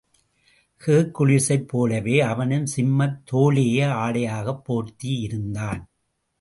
ஹெர்க்குலிஸைப் போலவே அவனும் சிம்மத் தோலையே ஆடையாகப் போர்த்தியிருந்தான்.